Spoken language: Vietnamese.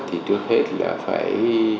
thì trước hết là phải